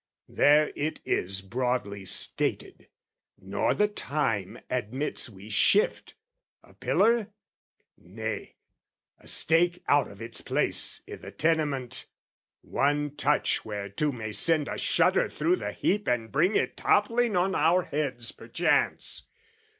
"There it is broadly stated, nor the time "Admits we shift a pillar? nay, a stake "Out of its place i' the tenement, one touch "Whereto may send a shudder through the heap "And bring it toppling on our heads perchance.